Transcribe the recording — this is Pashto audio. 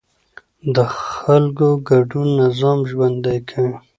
د خلکو ګډون نظام ژوندی کوي